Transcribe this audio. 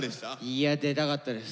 いや出たかったです。